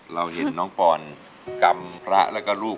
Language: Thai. เราเห็นน้องปอนกำพระแล้วก็รูป